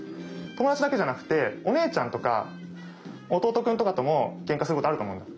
友達だけじゃなくてお姉ちゃんとか弟くんとかともケンカすることあると思うんだ。